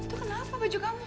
itu kenapa baju kamu